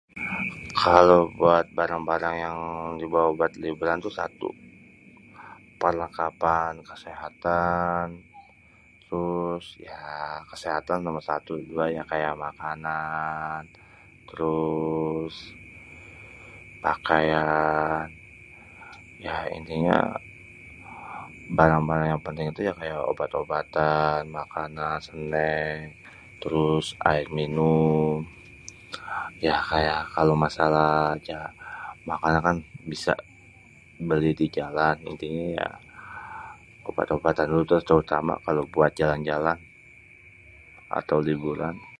Kalo buat barang-barang yang dibawa buat liburan tuh satu, perlengkapan kesehatan trus ya kesehatan nomor satu trus kaya makanan trus pakaian ya intinya barang-barang yang penting itu ye kaya obat-obatan, makanan, senek trus aer minum trus ya kaya masalah makanan kan bisa beli di jalan intinya ya obat-obatan dulu deh terutama kalo buat jalan-jalan atau buat liburan.